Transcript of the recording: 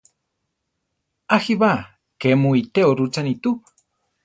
A jíba! ké mu iteó rúchani tu!